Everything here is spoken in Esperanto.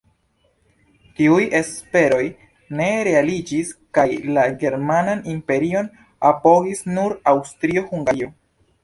Tiuj esperoj ne realiĝis kaj la Germanan Imperion apogis nur Aŭstrio-Hungario.